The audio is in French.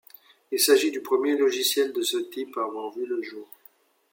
Il s'agit du premier logiciel de ce type à avoir vu le jour.